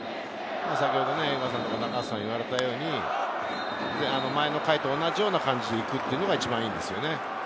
先ほど江川さんや中畑さんが言われたように、前の回と同じような感じでいくっていうのが一番いいですね。